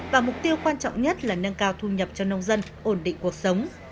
và mục tiêu quan trọng nhất là nâng cao thu nhập cho nông dân ổn định cuộc sống